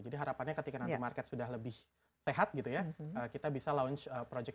jadi harapannya ketika nanti market sudah lebih tehat gitu ya kita bisa launch projek projek ini